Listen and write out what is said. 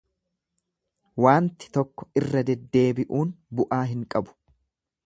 Waanti tokko irra deddeebi'uun bu'aa hin qabu.